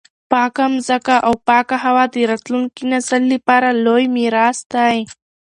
پاکه مځکه او پاکه هوا د راتلونکي نسل لپاره لوی میراث دی.